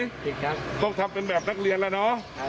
ผิดครับต้องทำเป็นแบบนักเรียนแล้วเนอะ